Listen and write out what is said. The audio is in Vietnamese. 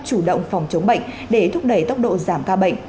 chủ động phòng chống bệnh để thúc đẩy tốc độ giảm ca bệnh